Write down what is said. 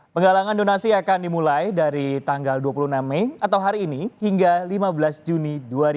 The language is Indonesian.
penggalangan donasi akan dimulai dari tanggal dua puluh enam mei atau hari ini hingga lima belas juni dua ribu dua puluh